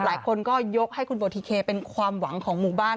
หลายคนก็ยกให้คุณโบทิเคเป็นความหวังของหมู่บ้าน